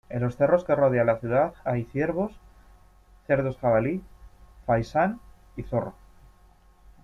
En los cerros que rodean la ciudad, hay ciervos, cerdos jabalí, faisán y zorro.